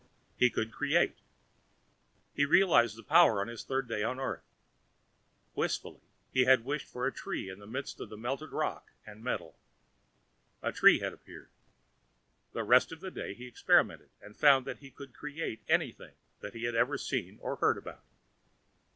He could create. He realized the power on his third day on Earth. Wistfully, he had wished for a tree in the midst of the melted rock and metal; a tree had appeared. The rest of the day he experimented, and found that he could create anything that he had ever seen or heard about.